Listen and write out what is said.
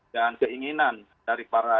dan keinginan dari para